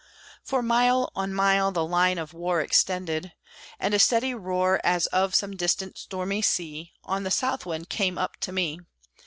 For mile on mile the line of war Extended; and a steady roar, As of some distant stormy sea, On the south wind came up to me.